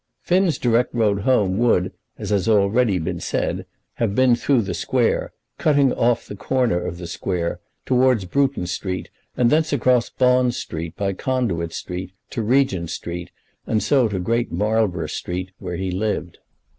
Finn's direct road home would, as has been already said, have been through the square, cutting off the corner of the square, towards Bruton Street, and thence across Bond Street by Conduit Street to Regent Street, and so to Great Marlborough Street, where he lived.